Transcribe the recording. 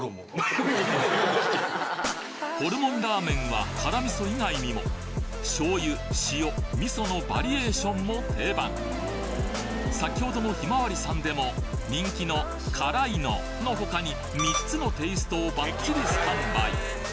ホルモンラーメンは辛味噌以外にも醤油・塩・味噌のバリエーションも定番先程のひまわりさんでも人気の「辛いの」の他に３つのテイストをバッチリスタンバイ！